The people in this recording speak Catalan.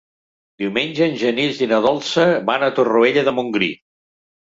Diumenge en Genís i na Dolça van a Torroella de Montgrí.